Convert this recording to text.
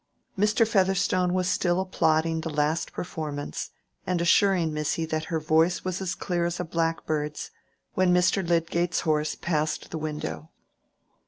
Mr. Featherstone was still applauding the last performance, and assuring missy that her voice was as clear as a blackbird's, when Mr. Lydgate's horse passed the window.